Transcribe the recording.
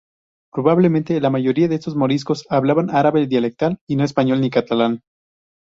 Probablemente la mayoría de estos moriscos hablaban árabe dialectal y no español ni catalán.